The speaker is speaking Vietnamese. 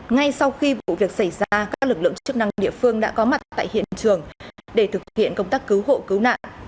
ngay sau khi vụ việc xảy ra các lực lượng chức năng địa phương đã có mặt tại hiện trường để thực hiện công tác cứu hộ cứu nạn